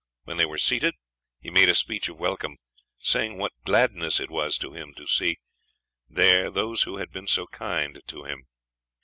When they were seated, he made a speech of welcome, saying what gladness it was to him to see there those who had been so kind to him.